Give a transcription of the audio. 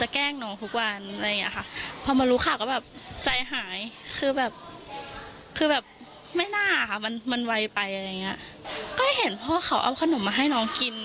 ก็เห็นพ่อเขาเอาขนมมาให้น้องกิน